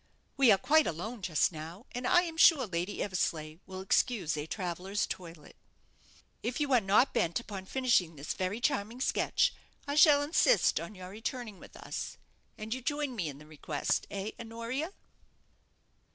We are quite alone just now; and I am sure Lady Eversleigh will excuse a traveller's toilet. If you are not bent upon finishing this very charming sketch, I shall insist on your returning with us; and you join me in the request, eh, Honoria?"